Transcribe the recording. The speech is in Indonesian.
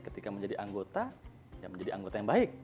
ketika menjadi anggota ya menjadi anggota yang baik